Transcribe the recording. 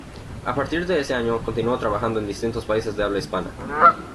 A partir de ese año continuó trabajando en distintos países de habla hispana.